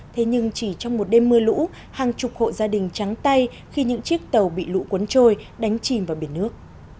thế nhưng chỉ trong một đêm mưa lũ hàng chục hộ gia đình trắng tay khi những chiếc tàu bị lũ cuốn trôi đánh chìm vào biển nước